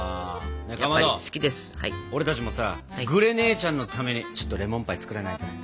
かまど俺たちもさグレ姉ちゃんのためにちょっとレモンパイ作らないとね。